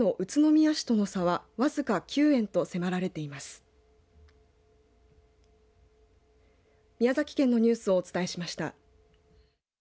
宮崎県のニュースをお伝えしました。